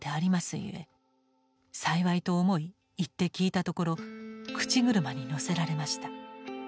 ゆえ幸いと思い行って聞いたところ口車にのせられました。